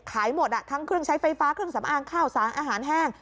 หมดทั้งเครื่องใช้ไฟฟ้าเครื่องสำอางข้าวสารอาหารแห้ง